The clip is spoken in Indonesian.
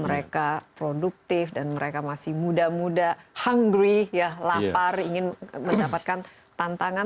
mereka produktif dan mereka masih muda muda hungry ya lapar ingin mendapatkan tantangan